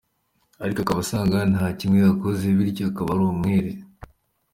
ariko akaba asanga nta na kimwe yakoze, bityo akaba ari umwere.